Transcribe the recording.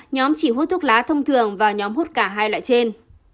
nhóm chỉ hút thuốc lá thông thường vào nhóm hút cả hai loại trên